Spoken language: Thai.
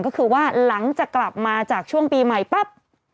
ก็คือว่าหลังจากกลับมาจากช่วงปีใหม่ปั๊บ